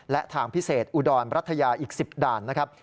และทางพิเศษอุดรรัฐยาอีก๑๐ด่านนะครับ